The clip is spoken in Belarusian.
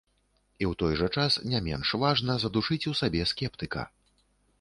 І ў той жа час не менш важна задушыць у сабе скептыка.